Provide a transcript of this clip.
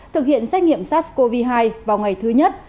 thực hiện xét nghiệm sars cov hai vào ngày thứ nhất